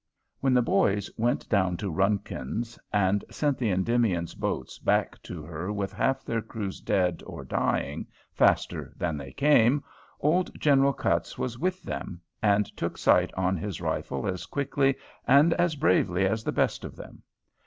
When the boys went down to Runkin's and sent the "Endymion's" boats back to her with half their crews dead or dying, faster than they came, old General Cutts was with them, and took sight on his rifle as quickly and as bravely as the best of them.